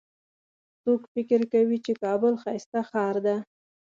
څوک فکر کوي چې کابل ښایسته ښار ده